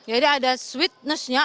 jadi ada sweetnessnya